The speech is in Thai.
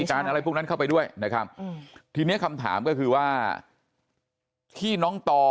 อะไรพวกนั้นเข้าไปด้วยนะครับทีนี้คำถามก็คือว่าที่น้องต่อ